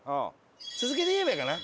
続けて言えばいいかな？